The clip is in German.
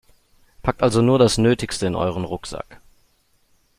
Packt also nur das Nötigste in euren Rucksack.